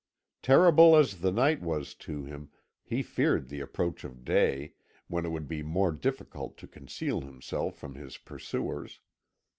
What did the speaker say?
Terrible as the night was to him, he feared the approach of day, when it would be more difficult to conceal himself from his pursuers.